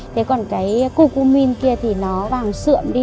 thế còn cái cocomine kia thì nó vàng sượm đi